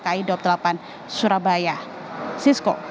ki dua puluh delapan surabaya sesko